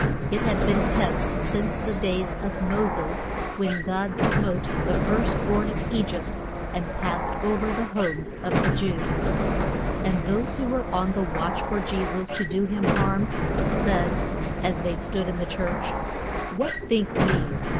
It had been kept since the days of Mo ses, when God smote the first born of E gypt, and passed o ver the homes of the Jews. And those who were on the watch for Je sus to do him harm, said, as they stood in the church, What think ye?